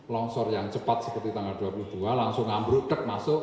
longsor yang cepat seperti tanggal dua puluh dua langsung ambruk dek masuk